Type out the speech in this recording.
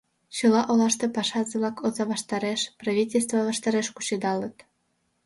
Чыла олаште пашазе-влак оза ваштареш, правительство ваштареш кучедалыт.